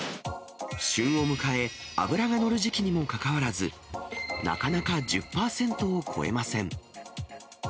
旬を迎え、脂が乗る時期にもかかわらず、なかなか１０％を超えません。